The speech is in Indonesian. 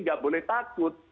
nggak boleh takut